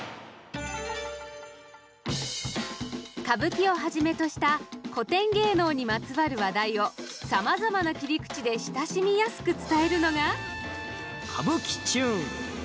歌舞伎をはじめとした古典芸能にまつわる話題をさまざまな切り口で親しみやすく伝えるのが。